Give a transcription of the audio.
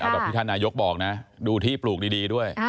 แบบที่ท่านนายกบอกนะดูที่ปลูกดีด้วย